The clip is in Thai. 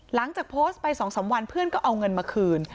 หลังจากโพสต์ไป๒๓วันเพื่อนก็เอาเงินมาคืน